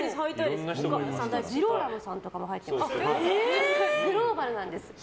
ジローラモさんとかも入っててグローバルなんですよ。